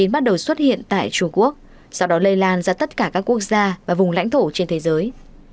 bắt đầu xuất hiện tại trung quốc sau đó lây lan ra tất cả các quốc gia và vùng lãnh thổ trên thế giới